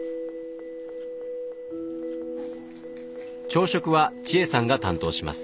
朝食は千恵さんが担当します。